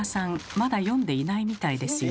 まだ読んでいないみたいですよ。